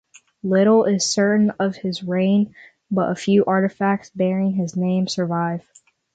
Little is certain of his reign, but a few artifacts bearing his name survive.